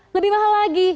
lebih mahal lagi